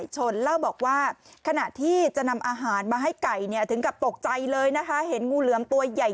เล่าบอกว่าขณะที่จะนำอาหารมาให้ไก่เนี่ยถึงกับตกใจเลยนะคะเห็นงูเหลือมตัวใหญ่